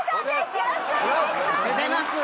よろしくお願いします！